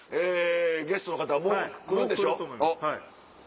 ゲストの方もう来るんでしょ？